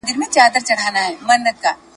حاجي مریم اکا په موشک کارېز کي اوسېده.